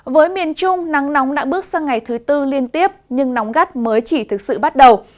với miền trung nắng nóng đã bước sang ngày thứ tư liên tiếp nhưng nóng gắt mới chỉ thực sự bắt đầu